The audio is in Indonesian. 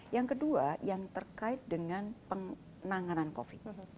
yang kedua yang terkait dengan penanganan covid